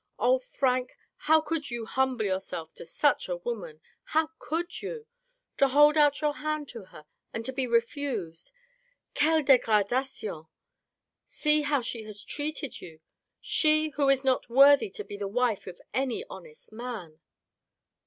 O Frank, how could you humble yourself to such a woman ? How could you ? To hold out your hand to her and to be refused! Quelle degradation! See how she has treated you — she, who is not worthy to be the wife of any honest man."